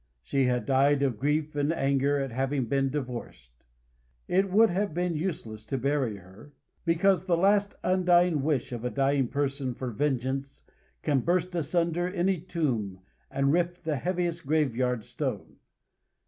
She had died of grief and anger at having been divorced. It would have been useless to bury her, because the last undying wish of a dying person for vengeance can burst asunder any tomb and rift the heaviest graveyard stone.